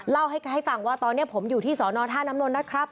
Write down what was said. เล่าให้ฟังว่าตอนนี้ผมอยู่ที่สอนอท่าน้ำนนท์นะครับ